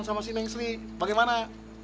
sama si neng sri bagaimana